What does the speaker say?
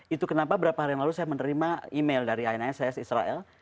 itu kenapa beberapa hari lalu saya menerima email dari inss israel